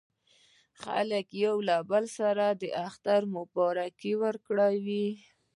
خلکو یو له بل سره د اختر مبارکۍ وکړې.